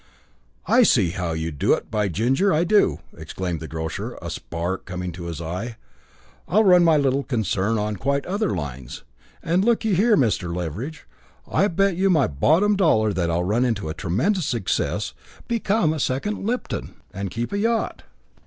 "I see how to do it. By ginger, I do!" exclaimed the grocer, a spark coming into his eye. "I'll run my little concern on quite other lines. And look ye here, Mr. Leveridge. I bet you my bottom dollar that I'll run it to a tremendous success, become a second Lipton, and keep a yacht."